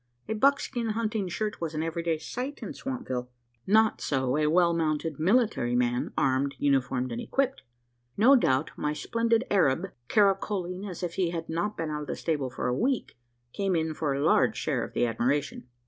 A buckskin hunting shirt was an everyday sight in Swampville not so a well mounted military man, armed, uniformed, and equipped. No doubt, my splendid Arab, caracoling as if he had not been out of the stable for a week, came in for a large share of the admiration.